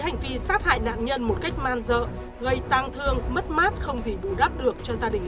hành vi sát hại nạn nhân một cách man dợ gây tang thương mất mát không gì bù đắp được cho gia đình